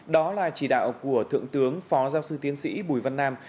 đó là chỉ đạo của thượng tướng phó giáo sư tiến sĩ bùi văn nam